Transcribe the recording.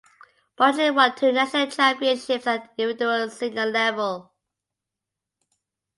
Bocchi won two national championships at individual senior level.